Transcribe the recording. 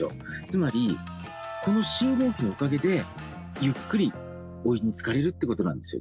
つまりこの信号機のおかげでゆっくりお湯につかれるっていう事なんですよね。